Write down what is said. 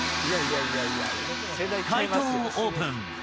解答をオープン。